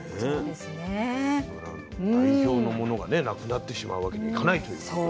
代表のものがね無くなってしまうわけにはいかないという。